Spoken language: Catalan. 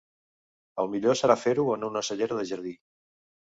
El millor serà fer-ho en una ocellera de jardí.